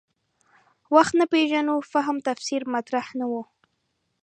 وخت نه پېژنو فهم تفسیر مطرح نه و.